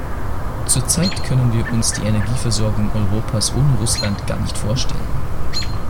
Zurzeit können wir uns die Energieversorgung Europas ohne Russland gar nicht vorstellen.